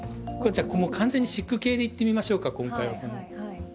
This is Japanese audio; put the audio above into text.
もう完全にシック系でいってみましょうか今回は。